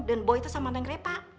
dan boita sama neng repa